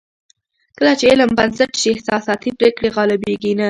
کله چې علم بنسټ شي، احساساتي پرېکړې غالبېږي نه.